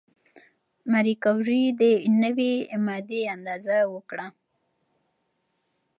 ماري کوري د نوې ماده اندازه وکړه.